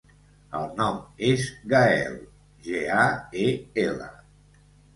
El nom és Gael: ge, a, e, ela.